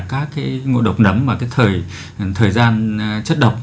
các cái ngộ độc nấm và cái thời gian chất độc